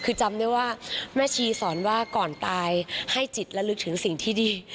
คือจำได้ว่าแม่ชีสอนว่าก่อนตายให้จิตและลึกถึงสิ่งที่ดี